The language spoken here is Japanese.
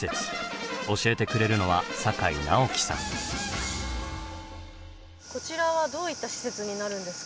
教えてくれるのはこちらはどういった施設になるんですか？